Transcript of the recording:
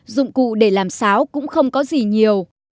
dụng cụ để làm sáo cũng không có gì nhiều